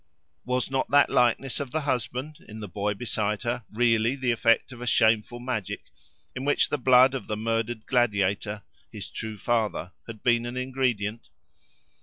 Was not that likeness of the husband, in the boy beside her, really the effect of a shameful magic, in which the blood of the murdered gladiator, his true father, had been an ingredient?